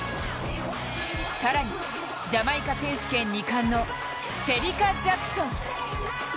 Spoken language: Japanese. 更にジャマイカ選手権２冠のシェリカ・ジャクソン。